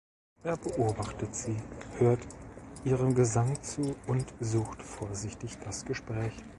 Er beobachtet sie, hört ihrem Gesang zu und sucht vorsichtig das Gespräch.